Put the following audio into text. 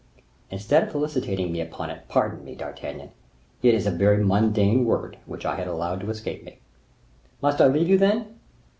"Instead of felicitating me upon it, pardon me, D'Artagnan. It is a very mundane word which I had allowed to escape me." "Must I leave you, then?"